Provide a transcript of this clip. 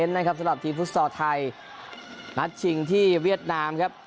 ฉะนั้นครับสำหรับทีพุทธศาสตร์ไทยนัดชิงที่เวียดนามครับ